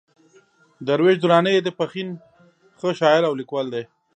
درویش درانی د پښين ښه شاعر او ليکوال دئ.